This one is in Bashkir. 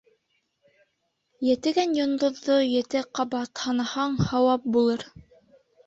Етегән йондоҙҙо ете ҡабат һанаһаң, һауап булыр.